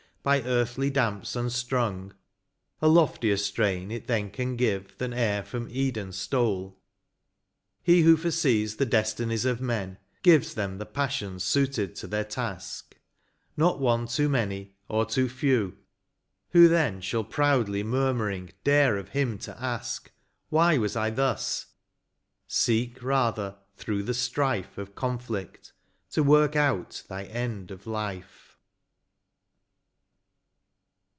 By earthly damps unstrung, a loftier strain It then can give than e'er from Eden stole. He who foresees the destinies of men, Gives them the passions suited to their task. Not one too many, or too few ; who, then. Shall proudly murmuring dare of Him to ask. Why was I thus ? seek, rather, through the strife Of conflict, to work out thy end of life.